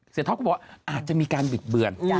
เสียท็อปก็บอกอาจจะมีการบิดเบือน